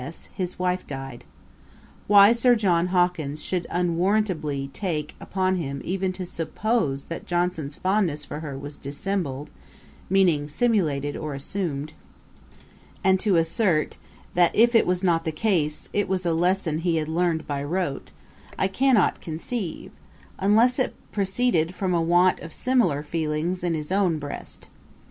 S., his wife died. Why Sir John Hawkins should unwarrantably take upon him even to suppose that Johnson's fondness for her was dissembled (meaning simulated or assumed,) and to assert, that if it was not the case, 'it was a lesson he had learned by rote,' I cannot conceive; unless it proceeded from a want of similar feelings in his own breast.